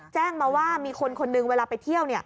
แจ้งมาว่ามีคนคนหนึ่งเวลาไปเที่ยว